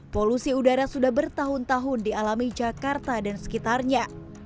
polusi udara sudah bertahun tahun dialami jakarta dan sekitarnya